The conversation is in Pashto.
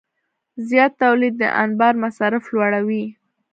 زیات تولید د انبار مصارف لوړوي.